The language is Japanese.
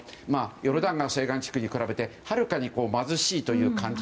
ヨルダン川西岸地区に比べてはるかに貧しいという感じ。